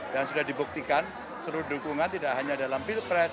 dan sudah dibuktikan seluruh dukungan tidak hanya dalam pilpres